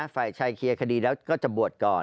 ฝ่ายชายเคลียร์คดีแล้วก็จะบวชก่อน